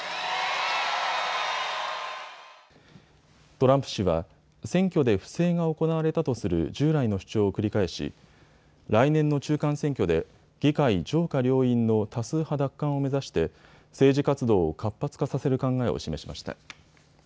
トランプ氏は選挙で不正が行われたとする従来の主張を繰り返し来年の中間選挙で議会上下両院の多数派奪還を目指して政治活動を活発化させる考えを示しました。